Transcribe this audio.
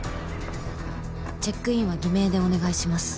チェックインは偽名でお願いします。